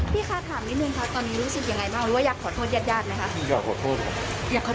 พี่คะถามนิดหนึ่งครับตอนนี้รู้สึกยังไงบ้าง